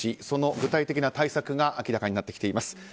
その具体的な対策が明らかになってきています。